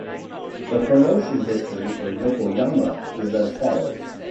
The promotion history for Yokoyama is as follows.